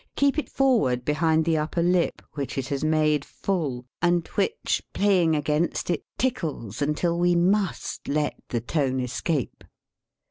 Keep it forward behind the upper \ lip, which it has made full, and which, play 29 THE SPEAKING VOICE ing against, it tickles until we must let the tone escape.